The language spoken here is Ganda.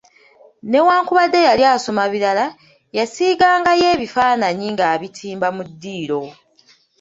Newankubadde yali asoma birala, yasiigangayo ebifaananyi ng’abitimba mu ddiiro.